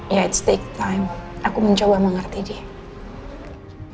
ya it's take time aku mencoba mengerti dia